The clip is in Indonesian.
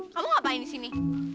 kamu ngapain di sini